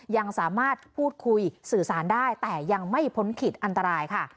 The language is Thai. ยังสามารถพูดคุยสื่อสารได้แต่ยังไม่พ้นขีดอันตรายค่ะ